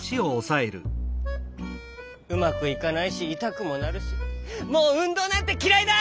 うまくいかないしいたくもなるしもううんどうなんてきらいだ！